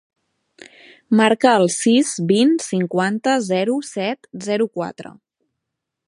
Marca el sis, vint, cinquanta, zero, set, zero, quatre.